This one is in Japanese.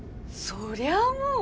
そりゃあもう！